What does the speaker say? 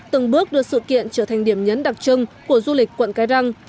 từng bước đưa sự kiện trở thành điểm nhấn đặc trưng của du lịch quận cái răng